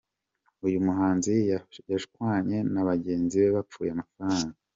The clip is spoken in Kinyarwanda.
Uyu muhanzi yashwanye na bagenzi be bapfuye amafaranga.